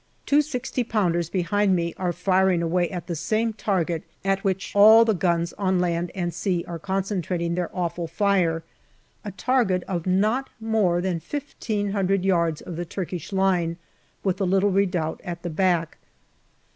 Two 6o pounders behind me are firing away at the same target, at which all the guns on land and sea are concentrating their awful fire, a target of not more than fifteen hundred yards of the Turkish line, with the little redoubt at the back.